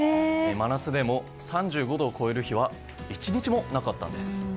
真夏でも３５度を超える日は一日もなかったんです。